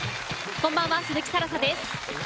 こんばんは、鈴木新彩です。